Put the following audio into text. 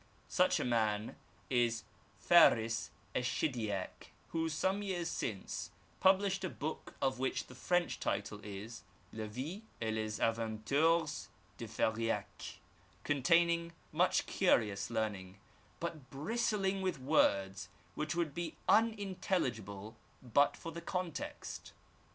Such a man is Fdris esh Shididk, who some years since pub lished a book of which the French title is, ' La Vie et les Aven tures de Fariac,^ containing much curious learning, but bristling with words which would be unintelligible but for the context.